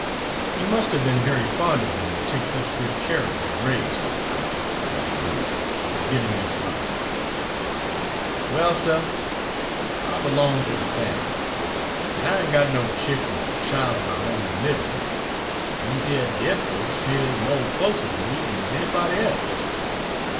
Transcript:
"You must have been very fond of them to take such good care of their graves," said the colonel, much moved, but giving no sign. "Well, suh, I b'longed ter de fambly, an' I ain' got no chick ner chile er my own, livin', an' dese hyuh dead folks 'pears mo' closer ter me dan anybody e'se.